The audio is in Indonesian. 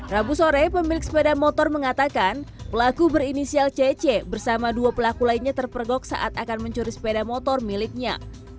rabu sore pemilik sepeda motor mengatakan pelaku berinisial cc bersama dua pelaku lainnya terpergok saat akan mencuri sepeda motor miliknya